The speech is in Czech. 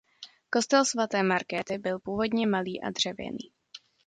Kostel svaté Markéty byl původně malý a dřevěný.